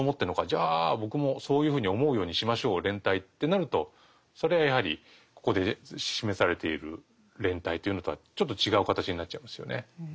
じゃあ僕もそういうふうに思うようにしましょう連帯」ってなるとそれはやはりここで示されている連帯というのとはちょっと違う形になっちゃいますよね。